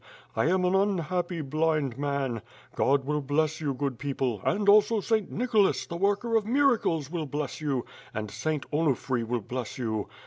I am an unhappy, blind man. God will bless you, good people and also St. Nicholas, the worker of miracles, will bless you, and St. Onufry will bless you.